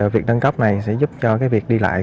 việc nâng cấp này sẽ giúp cho việc đi lại